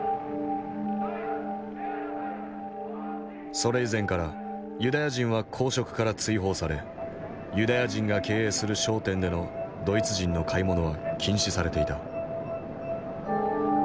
それ以前からユダヤ人は公職から追放されユダヤ人が経営する商店でのドイツ人の買い物は禁止されていた。